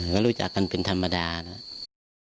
ก็รู้จักกันเป็นธรรมดานะครับ